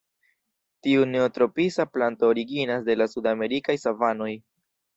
Tiu neotropisa planto originas de la sudamerikaj savanoj.